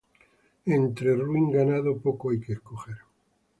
Entre ruin ganado poco hay que escoger.